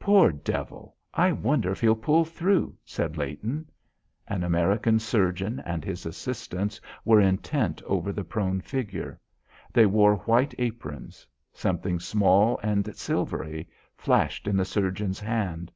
"Poor devil; I wonder if he'll pull through," said Leighton. An American surgeon and his assistants were intent over the prone figure. They wore white aprons. Something small and silvery flashed in the surgeon's hand.